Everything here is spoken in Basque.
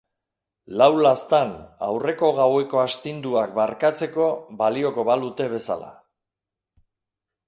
Lau laztan, aurreko gaueko astinduak barkatzeko balioko balute bezala.